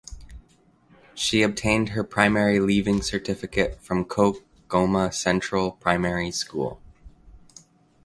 She obtained her Primary Leaving Certificate from Koch Goma Central Primary School.